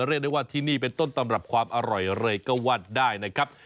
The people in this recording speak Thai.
เรียกได้ว่าที่นี่เป็นต้นตำรับความอร่อยเลยก็ว่าได้นะครับ